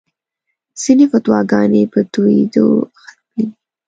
ځینې فتواګانې په تویېدو ختمېږي.